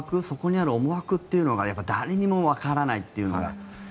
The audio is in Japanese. そこにある思惑というのがやっぱり誰にもわからないというのが。